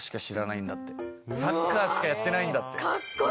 サッカーしかやってないんだって。